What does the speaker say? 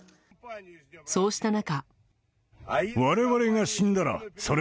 そうした中。